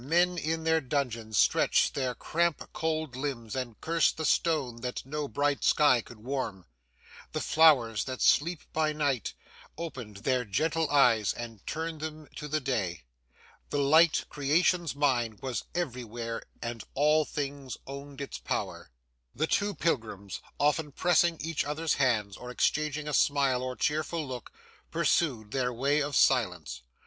Men in their dungeons stretched their cramp cold limbs and cursed the stone that no bright sky could warm. The flowers that sleep by night, opened their gentle eyes and turned them to the day. The light, creation's mind, was everywhere, and all things owned its power. The two pilgrims, often pressing each other's hands, or exchanging a smile or cheerful look, pursued their way in silence.